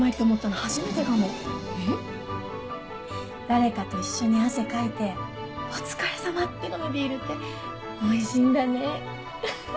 誰かと一緒に汗かいて「お疲れさま」って飲むビールっておいしいんだねフッフ！